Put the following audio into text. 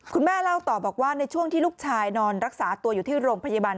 คุณแม่เล่าต่อบอกว่าในช่วงที่ลูกชายนอนรักษาตัวอยู่ที่โรงพยาบาล